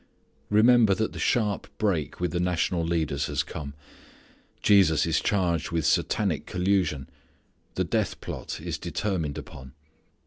Remember that the sharp break with the national leaders has come. Jesus is charged with Satanic collusion. The death plot is determined upon.